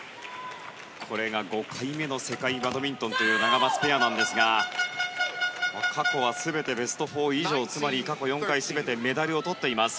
５回目の世界バドミントンというナガマツペアですが過去は全てベスト４以上つまり過去４回全てメダルをとっています。